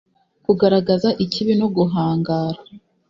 kugaragaza ikibi no guhangara